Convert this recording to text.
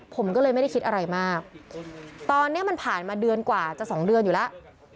ผมก็เลยไม่ได้คิดอะไรมากตอนนี้มันผ่านมาเดือนกว่าจะสองเดือนอยู่แล้ว